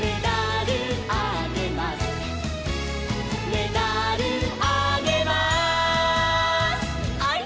「メダルあげます」「ハイ！